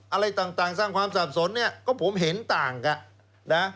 อะไรต่างสร้างความสับสนเนี่ยก็ผมเห็นต่างกันนะ